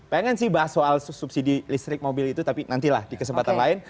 pengen sih bahas soal subsidi listrik mobil itu tapi nantilah di kesempatan lain